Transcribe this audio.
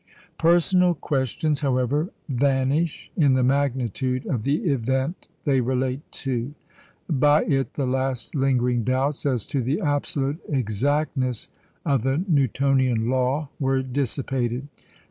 Personal questions, however, vanish in the magnitude of the event they relate to. By it the last lingering doubts as to the absolute exactness of the Newtonian Law were dissipated.